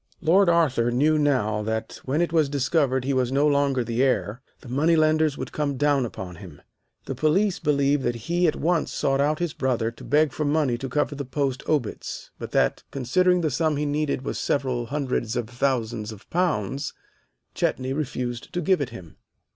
"Lord Arthur knew now that when it was discovered he was no longer the heir, the money lenders would come down upon him. The police believe that he at once sought out his brother to beg for money to cover the post obits, but that, considering the sum he needed was several hundreds of thousands of pounds, Chetney refused to give it him.